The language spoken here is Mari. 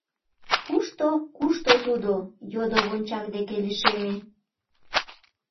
— Кушто, кушто тудо? — йодо, вончак деке лишеме.